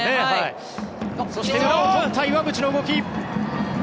そして裏を取った岩渕の動き。